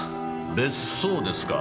別荘ですか？